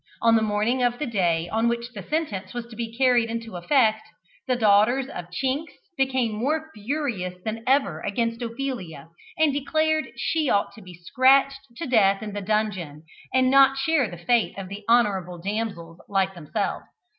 On the morning of the day on which the sentence was to be carried into effect, the daughters of Chinks became more furious than ever against Ophelia, and declared that she ought to be scratched to death in the dungeon, and not share the fate of honourable damsels like themselves.